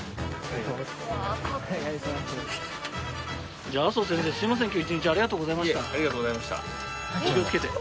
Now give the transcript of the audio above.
いえありがとうございました。